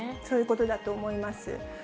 そういうことだと思います。